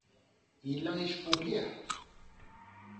Yella iceffu mliḥ.